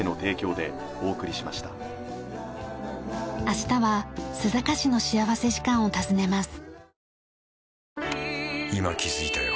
明日は須坂市の幸福時間を訪ねます。